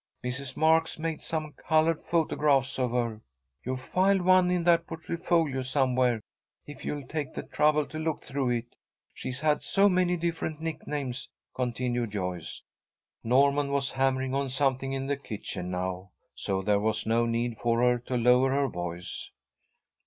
Miss Marks made some coloured photographs of her. You'll find one in that portfolio somewhere, if you'll take the trouble to look through it. She's had so many different nicknames," continued Joyce. Norman was hammering on something in the kitchen now, so there was no need for her to lower her voice.